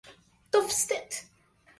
To wstyd